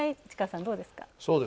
市川さん、どうですか？